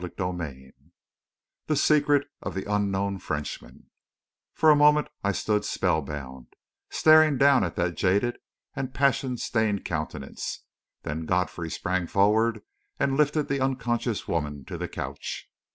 CHAPTER XV THE SECRET OF THE UNKNOWN FRENCHMAN For a moment, I stood spell bound, staring down at that jaded and passion stained countenance; then Godfrey sprang forward and lifted the unconscious woman to the couch.